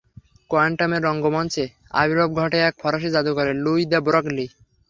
কোয়ান্টামের রঙ্গমঞ্চে আবির্ভাব ঘটে এক ফরাসি জাদুকরের, লুই দ্য ব্রগলি।